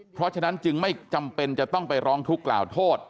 เพราะฉะนั้นจึงไม่จำเป็นจะต้องไปร้องทุกข์กล่าวโทษ